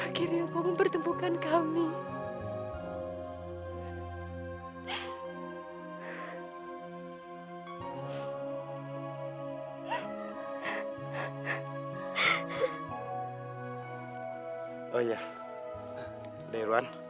akhirnya kamu bertemukan kami